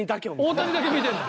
大谷だけ見てんの？